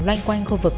loanh quanh khu vực